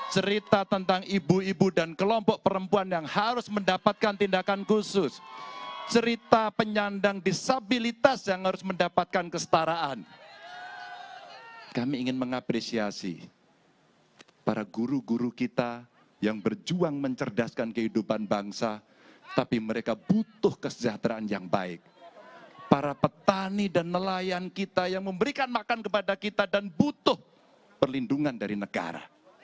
cerita tentang anak anak kita yang butuh perlindungan dan mendapatkan akses pendidikan